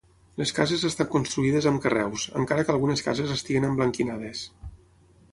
Les cases estan construïdes amb carreus, encara que algunes cases estiguin emblanquinades.